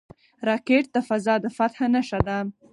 راکټ د فضا د فتح نښه ده